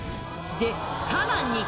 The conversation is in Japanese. で、さらに。